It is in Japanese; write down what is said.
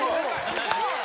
・すごい！